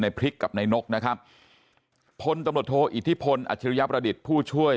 พริกกับนายนกนะครับพลตำรวจโทอิทธิพลอัชริยประดิษฐ์ผู้ช่วย